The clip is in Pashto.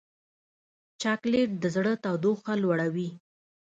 چاکلېټ د زړه تودوخه لوړوي.